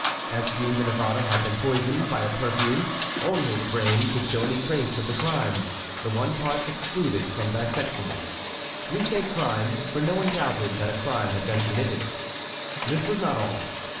As Jeanne de Navarre had been poisoned by a perfume, only the brain could show any trace of the crime (the one part excluded from dissection). We say crime, for no one doubted that a crime had been committed. This was not all.